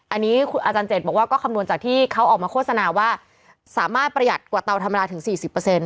อันนี้อาจารย์เจ็ดบอกว่าก็คำนวณจากที่เขาออกมาโฆษณาว่าสามารถประหยัดกว่าเตาธรรมดาถึง๔๐